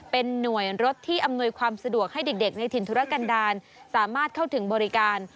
เป็นหน่วยรถที่อำนวยความสะดวกให้เด็กในถิ่นธุรกันดาลสามารถเข้าถึงบริการ